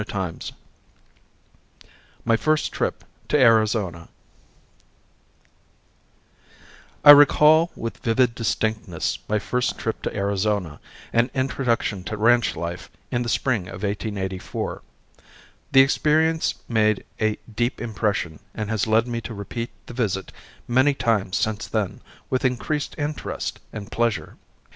CHAPTER II MY FIRST TRIP TO ARIZONA I recall with vivid distinctness my first trip to Arizona and introduction to ranch life in the spring of 1884. The experience made a deep impression and has led me to repeat the visit many times since then, with increased interest and pleasure.